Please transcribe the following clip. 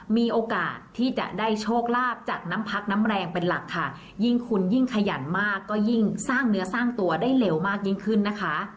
มีโอกาสที่จะได้โชคลาภจากน้ำพักน้ำแรงเป็นหลักค่ะยิ่งคุณยิ่งขยันมากก็ยิ่งสร้างเนื้อสร้างตัวได้เร็วมากยิ่งขึ้นนะคะ